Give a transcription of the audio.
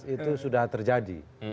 itu sudah terjadi